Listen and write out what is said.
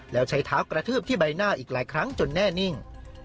แล้วใช้เท้ากระทืบที่ใบหน้าอีกหลายครั้งจนแน่นิ่ง